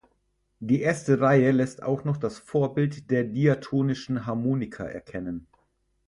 Die erste Reihe lässt auch noch das Vorbild der diatonischen Harmonika erkennen.